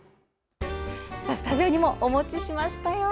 スタジオにもお持ちしましたよ。